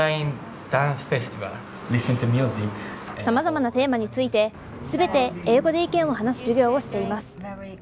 様々なテーマについてすべて英語で意見を話す授業をしています。